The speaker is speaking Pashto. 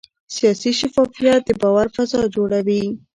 سیاسي شفافیت د باور فضا جوړوي